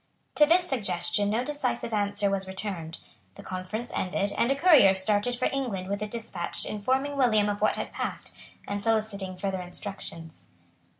To this suggestion no decisive answer was returned. The conference ended; and a courier started for England with a despatch informing William of what had passed, and soliciting further instructions.